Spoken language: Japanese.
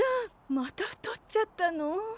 また太っちゃったの！？